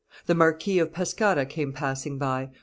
The Marquis of Pescara came passing by.